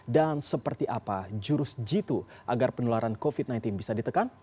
dan seperti apa jurus jitu agar penularan covid sembilan belas bisa ditekan